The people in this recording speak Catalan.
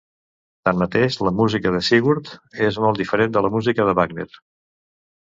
Tanmateix, la música de "Sigurd" és molt diferent de la música de Wagner.